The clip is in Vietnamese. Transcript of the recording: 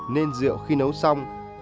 nên rượu khi nấu xong đậu xanh đẹp đó nấu